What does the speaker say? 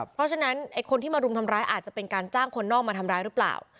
เพราะฉะนั้นไอ้คนที่มารุมทำร้ายอาจจะเป็นการจ้างคนนอกมาทำร้ายหรือเปล่า